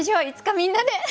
いつかみんなで！